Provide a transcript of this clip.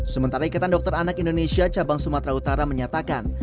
sementara ikatan dokter anak indonesia cabang sumatera utara menyatakan